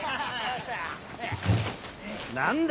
何だ？